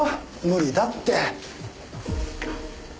無理だって。